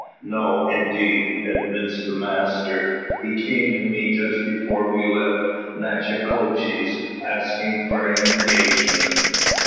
"No, indeed," admits the master. "He came to me just before we left Natchitoches asking for an engagement.